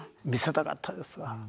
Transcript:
見せたかったですわ。